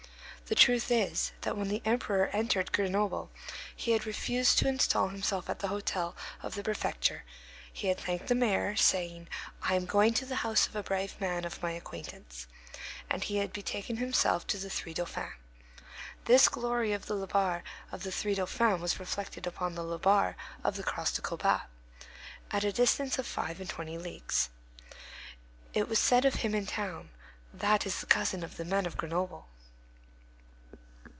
The truth is, that when the Emperor entered Grenoble he had refused to install himself at the hotel of the prefecture; he had thanked the mayor, saying, "I am going to the house of a brave man of my acquaintance"; and he had betaken himself to the Three Dauphins. This glory of the Labarre of the Three Dauphins was reflected upon the Labarre of the Cross of Colbas, at a distance of five and twenty leagues. It was said of him in the town, _"That is the cousin of the man of Grenoble."